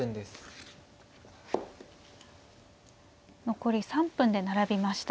残り３分で並びました。